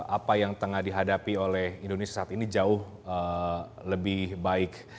apa yang tengah dihadapi oleh indonesia saat ini jauh lebih baik